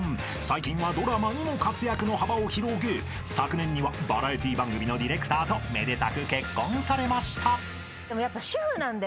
［最近はドラマにも活躍の幅を広げ昨年にはバラエティー番組のディレクターとめでたく結婚されました］